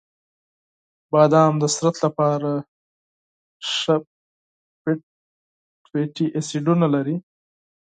• بادام د بدن لپاره د مفید فیټ اسیدونه لري.